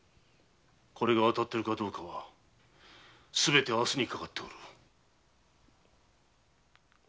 これが当たっているかどうかはすべて明日にかかっておる。